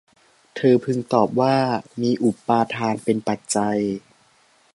เธอพึงตอบว่า มีอุปาทานเป็นปัจจัย